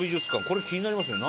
これ気になりますね